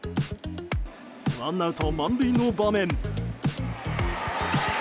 ワンアウト満塁の場面。